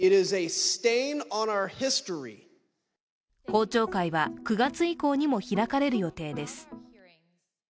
公聴会は９月以降にも開かれる予定です。